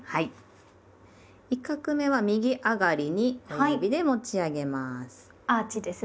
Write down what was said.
１画目は右上がりに親指で持ち上げます。